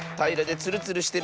ツルツルしてる。